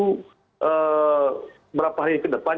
beberapa hari ke depan